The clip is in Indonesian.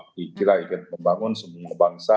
dikira ingin membangun semua bangsa